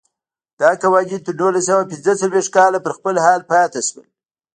دا قوانین تر نولس سوه پنځه څلوېښت کاله پر خپل حال پاتې شول.